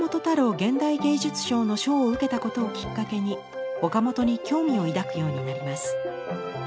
現代芸術賞の賞を受けたことをきっかけに岡本に興味を抱くようになります。